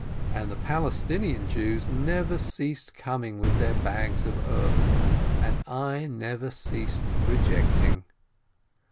And the Palestinian Jews never ceased coming with their bags of earth, and I never ceased rejecting.